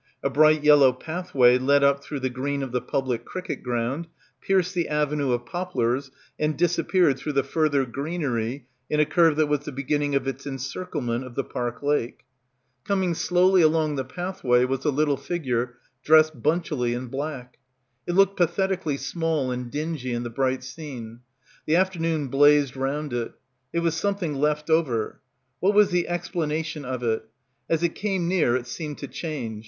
A bright yellow pathway led up through the green of the public cricket ground, pierced the avenue of poplars and disappeared through the further greenery in a curve that was the beginning of its encirclement of the park lake. Coming slowly — 79 — PILGRIMAGE along the pathway was a little figure dressed bunchily in black. It looked pathetically small and dingy in the bright scene. The afternoon blazed round it. It was something left over. What was the explanation of it? As it came near it seemed to change.